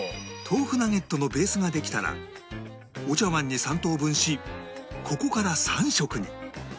豆腐ナゲットのベースができたらお茶碗に３等分しここから３色に